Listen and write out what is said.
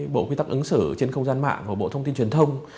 bộ quy tắc ứng xử trên không gian mạng và bộ thông tin truyền thông